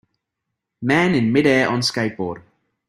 Man in midair on skateboard